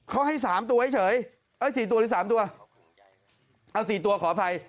เขาให้สามตัวให้เฉยเอ้ยสี่ตัวหรือสามตัวเอาสี่ตัวขออภัย